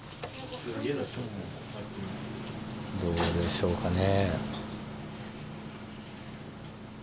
どうでしょうかね？